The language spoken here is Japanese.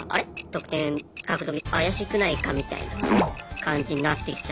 特典獲得怪しくないかみたいな感じになってきちゃって。